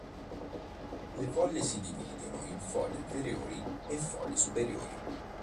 Le foglie si dividono in foglie inferiori e foglie superiori.